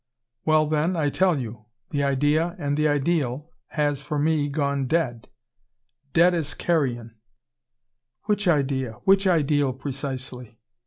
"Well, then, I tell you. The idea and the ideal has for me gone dead dead as carrion " "Which idea, which ideal precisely?"